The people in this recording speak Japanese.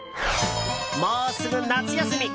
もうすぐ夏休み！